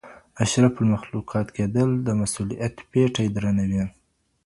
اشرف المخلوقات کیدل د مسؤلیت پیټی درنوي.